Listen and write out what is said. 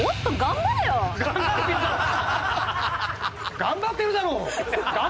頑張ってるだろ！